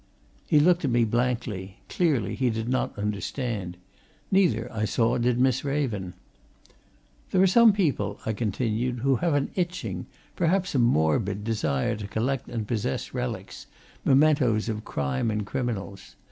He looked at me blankly clearly, he did not understand. Neither, I saw, did Miss Raven. "There are some people," I continued, "who have an itching perhaps a morbid desire to collect and possess relics, mementoes of crime and criminals.